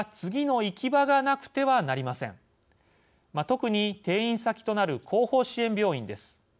特に転院先となる後方支援病院です。